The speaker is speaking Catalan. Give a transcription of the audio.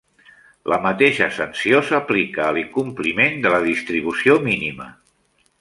La mateixa sanció s'aplica a l'incompliment de la distribució mínima.